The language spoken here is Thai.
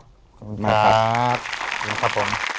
ขอบคุณครับ